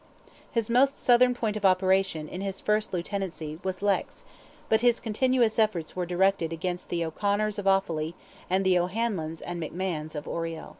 His most southern point of operation, in his first Lieutenancy, was Leix, but his continuous efforts were directed against the O'Conors of Offally and the O'Hanlons and McMahons of Oriel.